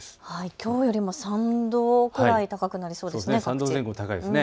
きょうよりも３度くらい高くなりそうですね。